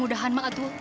mudah mudahan mak atuhu